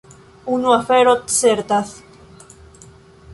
Unu afero certas.